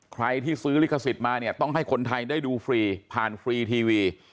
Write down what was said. ใครที่ซื้อลิขสิทธิ์มาเนี่ยต้องให้คนไทยได้ดูฟรีผ่านฟรีทีวี